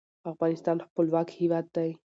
افغانستان خپلواک هیواد دی.